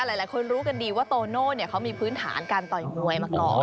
หลายคนรู้กันดีว่าโตโน่เขามีพื้นฐานการต่อยมวยมาก่อน